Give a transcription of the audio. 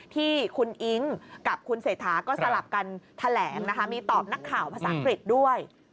ที่คุณอิ๊งกับคุณเศรษฐาก็สลับกันแถลงนะคะมีตอบนักข่าวภาษาอังกฤษด้วย